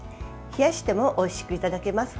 冷やしてもおいしくいただけます。